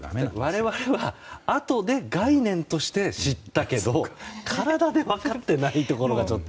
我々はあとで概念として知ったけど体で分かってないところがちょっと。